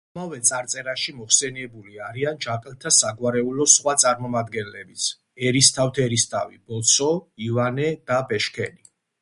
ამავე წარწერაში მოხსენებული არიან ჯაყელთა საგვარეულოს სხვა წარმომადგენლებიც: ერისთავთერისთავი ბოცო, ივანე და ბეშქენი.